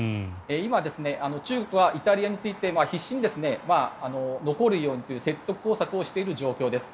今、中国はイタリアについて必死に残るようにという説得工作をしている状況です。